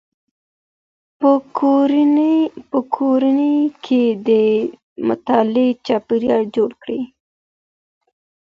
په کورنۍ کي د مطالعې چاپېريال جوړ کړئ.